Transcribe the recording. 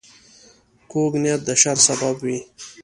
کوږ نیت د شر سبب وي